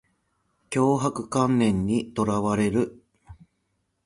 強迫観念にとらわれる